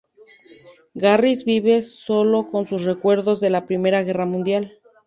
Garris vive solo con sus recuerdos de la Primera Guerra Mundial.